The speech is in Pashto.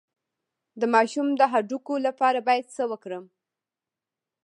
د ماشوم د هډوکو لپاره باید څه وکړم؟